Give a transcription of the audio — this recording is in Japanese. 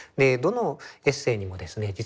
どのエッセーにもですね